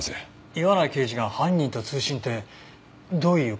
岩内刑事が犯人と通信ってどういう事ですか？